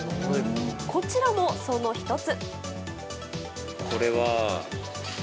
こちらも、その１つ。